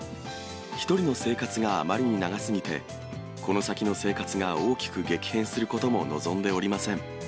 １人の生活があまりに長すぎて、この先の生活が大きく激変することも望んでおりません。